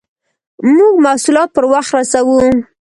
موږ محصولات پر وخت رسوو.